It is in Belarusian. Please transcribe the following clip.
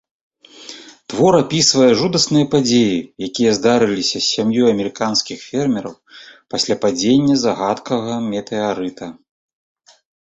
Твор апісвае жудасныя падзеі, якія здарыліся з сям'ёй амерыканскіх фермераў пасля падзення загадкавага метэарыта.